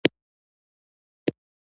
رښتينی اوسه